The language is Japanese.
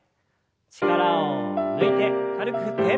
力を抜いて軽く振って。